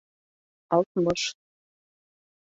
Алтмыш